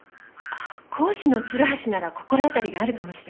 あっ講師の鶴橋なら心当たりがあるかもしれません。